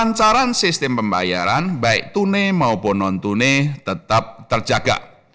lancaran sistem pembayaran baik tunai maupun non tunai tetap terjaga